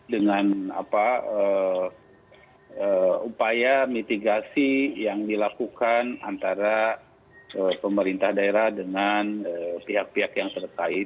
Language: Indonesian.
dengan upaya mitigasi yang dilakukan antara pemerintah daerah dengan pihak pihak yang terkait